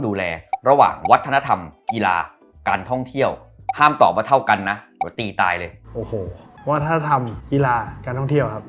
โอ้โหวัฒนธรรมกีฬาการท่องเที่ยวครับ